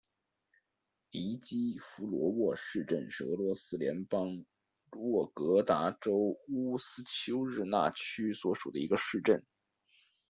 尼基福罗沃市镇是俄罗斯联邦沃洛格达州乌斯秋日纳区所属的一个市镇。